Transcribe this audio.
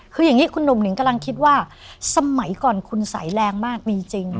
คืออย่างนี้คุณหนุ่มหนิงกำลังคิดว่าสมัยก่อนคุณใส่แรงมากมีจริง